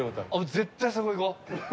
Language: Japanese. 絶対そこ行こう！